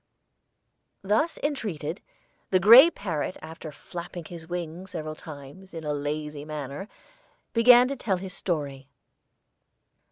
Thus entreated, the gray parrot, after flapping his wings several times, in a lazy manner, began to tell his history.